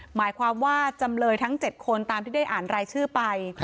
หมายความว่าจำเลยทั้ง๗คนตามที่ได้อ่านรายชื่อไป